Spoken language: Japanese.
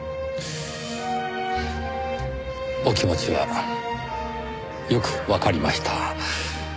お気持ちはよくわかりました。